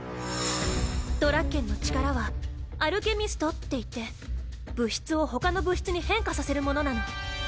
ドラッケンの力はアルケミストっていって物質を他の物質に変化させるものなの。